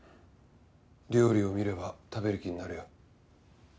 料理を見れば食べる気になるよ。